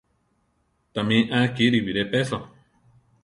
Tamí á kiri biré peso.